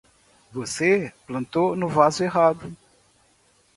Você plantou no vaso errado!